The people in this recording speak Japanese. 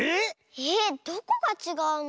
えっどこがちがうの？